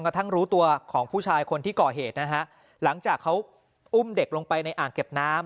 กระทั่งรู้ตัวของผู้ชายคนที่ก่อเหตุนะฮะหลังจากเขาอุ้มเด็กลงไปในอ่างเก็บน้ำ